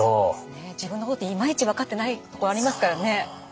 自分のこといまいち分かってないとこありますからね。